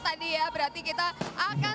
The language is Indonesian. tadi ya berarti kita akan